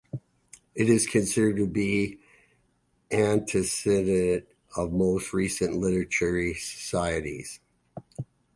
It is considered to be the antecedent of the more recent literary societies.